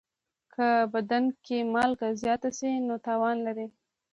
که بدن کې مالګه زیاته شي، نو تاوان لري.